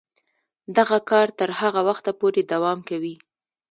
دغه کار تر هغه وخته پورې دوام کوي.